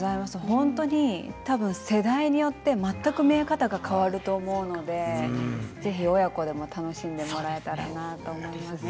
本当に多分、世代によって全く見え方が変わると思うのでぜひ、親子でも楽しんでもらえたらなと思います。